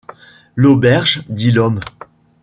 L’auberge ? dit l’homme.